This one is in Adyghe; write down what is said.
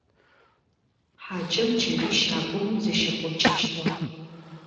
Хьаджэм джыри щагум зыщихъункӀэщтыгъ.